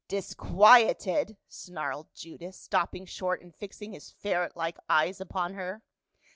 "Disquieted!" snarled Judas, stopping short and fixing his ferret like eyes upon her.